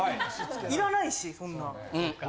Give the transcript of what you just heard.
いらないしそんな。